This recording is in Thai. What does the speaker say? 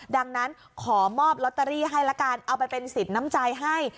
ดังนั้นขอมอบลอตเตอรี่ให้ละกันเอาไปเป็นสิทธิ์น้ำใจให้